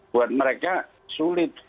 buat mereka sulit